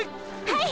はい！！